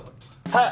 はい。